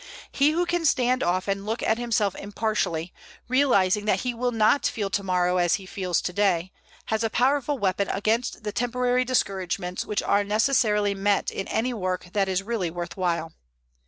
He who can stand off and look at himself impartially, realizing that he will not feel to morrow as he feels to day, has a powerful weapon against the temporary discouragements which are necessarily met in any work that is really worth while.